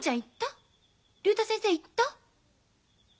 竜太先生言った？